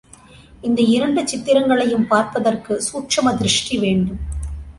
இந்த இரண்டு சித்திரங்களையும் பார்ப்பதற்கு சூட்சும திருஷ்டி வேண்டும்.